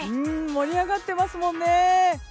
盛り上がってますもんね。